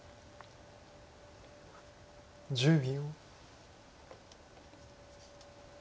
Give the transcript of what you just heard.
１０秒。